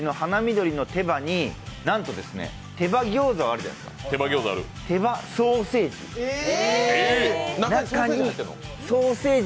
鳥の手羽になんと手羽ギョウザあるじゃないですか、手羽ソーセージ。